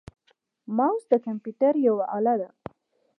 موس د کمپیوټر یوه اله ده.